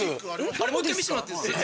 あれもう一回見せてもらっていいですか？